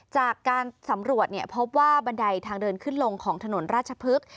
จากการสำรวจพบว่าบันไดทางเดินขึ้นลงของถนนราชพฤกษ์